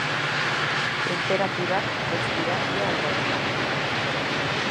Tenperaturak ez dira ia aldatuko.